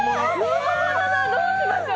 本物だ、どうしましょう。